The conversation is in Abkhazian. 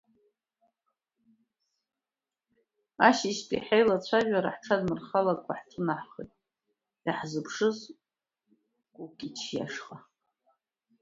Ашьыжьтәи ҳаилацәажәара ҳҽадмырхалакәа ҳҿынаҳхеит иаҳзыԥшыз Кукич ишҟа.